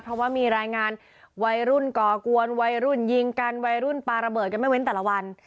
เพราะว่ามีรายงานวัยรุ่นก่อกวนวัยรุ่นยิงกันวัยรุ่นปลาระเบิดกันไม่เว้นแต่ละวัน